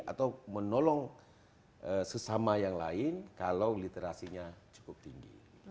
atau menolong sesama yang lain kalau literasinya cukup tinggi